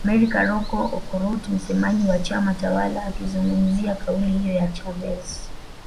Mary Karoro Okurut msemaji wa chama tawala akizungumzia kauli hiyo ya Chavez